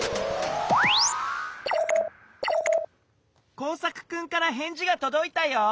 コウサクくんからへんじがとどいたよ。